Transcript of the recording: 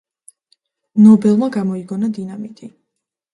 ნობელმა გამოიგონა დინამიტი.